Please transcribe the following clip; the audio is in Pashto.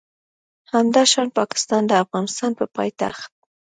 همداشان پاکستان د افغانستان په پایتخت